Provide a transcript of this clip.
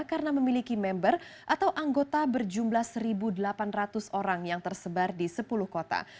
karena memiliki member atau anggota berjumlah satu delapan ratus orang yang tersebar di sepuluh kota